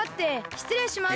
しつれいします。